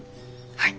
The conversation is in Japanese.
はい。